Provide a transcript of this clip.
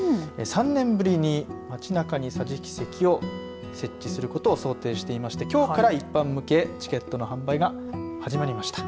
３年ぶりに街なかに桟敷席を設置することを想定していましてきょうから一般向けチケットの販売が始まりました。